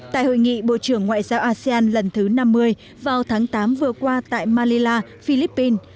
tại hội nghị bộ trưởng ngoại giao asean lần thứ năm mươi vào tháng tám vừa qua tại manila philippines